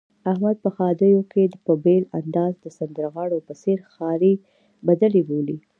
احمد په ښادیو کې په بېل انداز د سندرغاړو په څېر ښاري بدلې بولي.